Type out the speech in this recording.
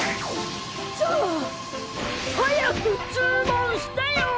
じゃあ早く注文してよ！